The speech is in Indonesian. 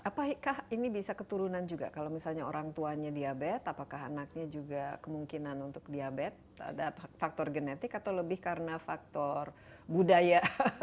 apakah ini bisa keturunan juga kalau misalnya orang tuanya diabetes apakah anaknya juga kemungkinan untuk diabetes ada faktor genetik atau lebih karena faktor budaya